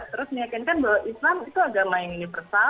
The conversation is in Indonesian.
terus meyakinkan bahwa islam itu agama yang ini percaya